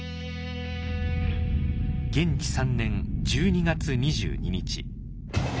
元亀３年１２月２２日。